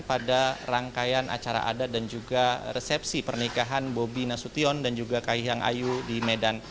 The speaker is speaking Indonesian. pada rangkaian acara adat dan juga resepsi pernikahan bobi nasution dan juga kahiyang ayu di medan